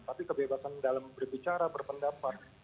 tapi kebebasan dalam berbicara berpendapat